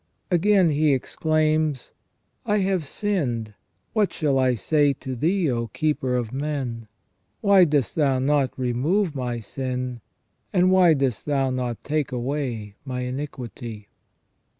Again, he exclaims :" I have sinned, what shall I say to Thee, O Keeper of men ? Why dost Thou not remove my sin ? and why dost Thou not take away my iniquity